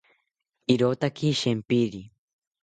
Irotaki shempiri